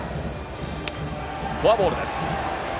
フォアボールです。